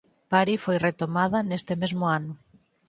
Bari foi retomada nese mesmo ano.